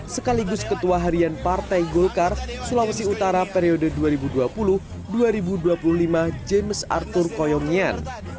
sekaligus ketua harian partai golkar sulawesi utara periode dua ribu dua puluh dua ribu dua puluh lima james arthur koyomian